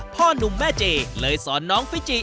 หนุ่มแม่เจเลยสอนน้องฟิจิ